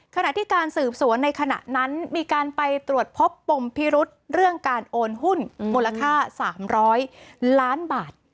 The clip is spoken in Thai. ขณะที่การสืบสวนในขณะนั้นมีการไปตรวจพบปมพิรุษเรื่องการโอนหุ้นมูลค่า๓๐๐ล้านบาท